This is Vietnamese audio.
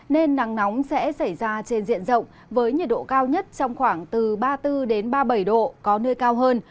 nên nắng nóng sẽ xảy ra trên diện rộng với nhiệt độ cao nhất trong khoảng từ ba mươi bốn ba mươi bảy độ có nơi cao hơn